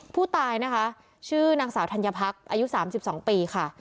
ผู้ตายนะคะชื่อนางสาวธัญพักอายุ๓๒ปีค่ะ